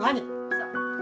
そう。